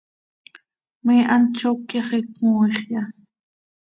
¿Me hant zó cyaxi cömooixya?